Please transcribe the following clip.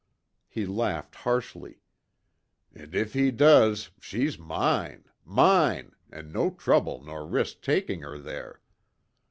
He laughed harshly, "An' if he does, she's mine mine, an' no trouble nor risk takin' her there!